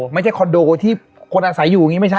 คอนโดที่คนอาศัยอยู่อย่างนี้ไม่ใช่